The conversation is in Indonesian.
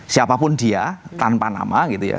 siapapun dia tanpa nama gitu ya